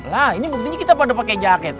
lah ini buktinya kita pada pakai jaket